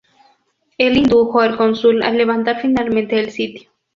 Él indujo al cónsul a levantar finalmente el sitio.